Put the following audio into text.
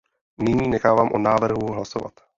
Nyní nechávám o návrhu hlasovat.